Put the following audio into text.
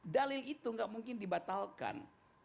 dalil itu gak mungkin dibatalkan